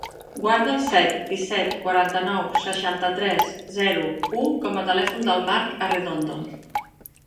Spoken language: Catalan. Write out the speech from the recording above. Guarda el set, disset, quaranta-nou, seixanta-tres, zero, u com a telèfon del Mark Arredondo.